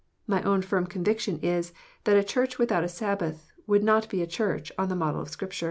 My own firm conviction is, that a Church without a Sabbath would not be a Church on the model of Scripture.